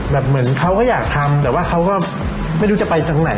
เหมือนเขาก็อยากทำแต่ว่าเขาก็ไม่รู้จะไปตรงไหน